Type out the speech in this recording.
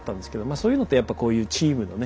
そういうのってやっぱこういうチームのね